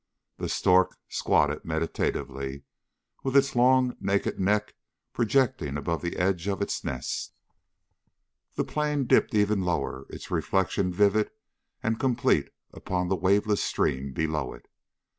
The stork squatted meditatively, with its long, naked neck projecting above the edge of its nest. The plane dipped ever lower, its reflection vivid and complete upon the waveless stream below it.